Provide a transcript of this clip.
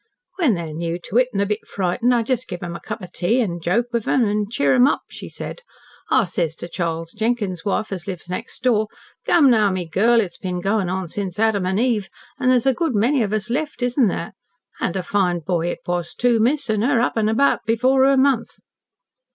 "When they're new to it, an' a bit frightened, I just give 'em a cup of 'ot tea, an' joke with 'em to cheer 'em up," she said. "I says to Charles Jenkins' wife, as lives next door, 'come now, me girl, it's been goin' on since Adam an' Eve, an' there's a good many of us left, isn't there?' An' a fine boy it was, too, miss, an' 'er up an' about before 'er month."